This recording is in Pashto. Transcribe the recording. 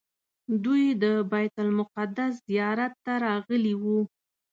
دوی د بیت المقدس زیارت ته راغلي وو.